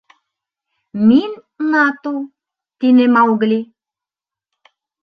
— Мин — Нату, — тине Маугли.